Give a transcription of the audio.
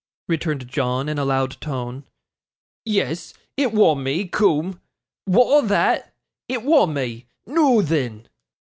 returned John, in a loud tone. 'Yes, it wa' me, coom; wa'at o' that? It wa' me. Noo then!